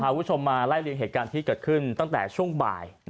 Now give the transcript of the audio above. คุณผู้ชมมาไล่เรียงเหตุการณ์ที่เกิดขึ้นตั้งแต่ช่วงบ่าย